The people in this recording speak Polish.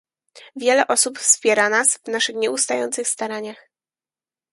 Wiele osób wspiera nas w naszych nieustających staraniach